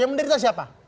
yang menjadi apa